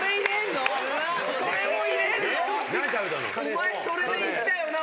お前それで行ったよな